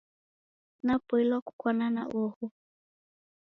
Napoilwa kukwana na oho